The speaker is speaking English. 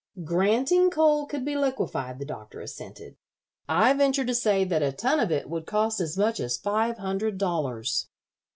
"Granting coal could be liquefied," the Doctor assented, "I venture to say that a ton of it would cost as much as five hundred dollars."